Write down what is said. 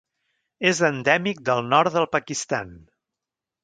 És endèmic del nord del Pakistan.